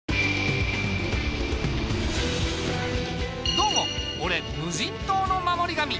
どうも俺無人島の守り神。